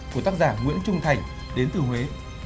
của tác giả nguyễn trung thành đến từ huế